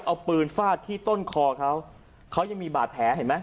เอาปืนฟาดที่ต้นคอเขาเขายังมีบาดแผลเห็นไหม